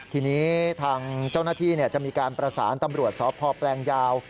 ทีนี้ทางเจ้าหน้าที่จะมีการประสานตำรวจสพแปลงยาว